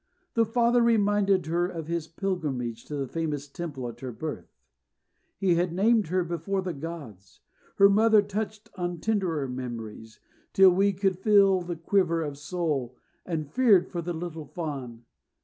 The father reminded her of his pilgrimage to a famous Temple at her birth: "He had named her before the gods." Her mother touched on tenderer memories, till we could feel the quiver of soul, and feared for the little Fawn.